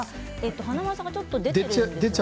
華丸さんがちょっと出ていますね。